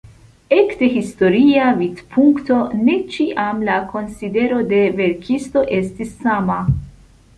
Ekde historia vidpunkto ne ĉiam la konsidero de verkisto estis sama.